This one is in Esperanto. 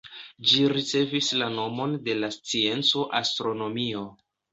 Ĝi ricevis la nomon de la scienco "astronomio".